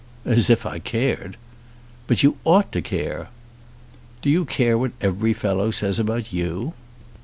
"As if I cared!" "But you ought to care." "Do you care what every fellow says about you?"